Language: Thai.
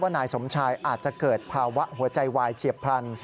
นายสมชายอาจจะเกิดภาวะหัวใจวายเฉียบพลัน